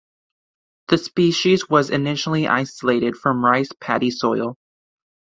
The species was initially isolated from rice paddy soil.